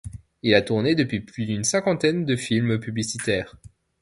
Il a tourné depuis plus d'une cinquantaine de films publicitaires.